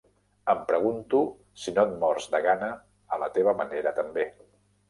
Em pregunto si no et mors de gana a la teva manera també.